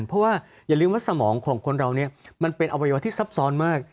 เพราะว่าอย่าลืมว่าสมองของคนเราเนี่ยมันเป็นอวัยวะที่ซับซ้อนมาก